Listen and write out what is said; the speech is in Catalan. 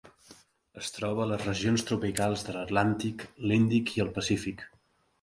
Es troba a les regions tropicals de l'Atlàntic, l'Índic i el Pacífic.